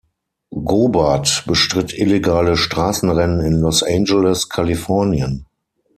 Gobert bestritt illegale Straßenrennen in Los Angeles, Kalifornien.